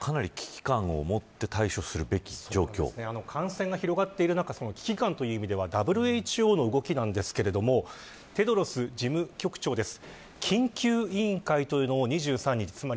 かなり危機感をもって感染が広がっている中危機感という意味ではＷＨＯの動きですがテドロス事務局長です。